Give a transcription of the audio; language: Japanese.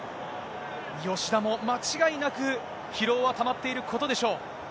吉田も間違いなく疲労はたまっていることでしょう。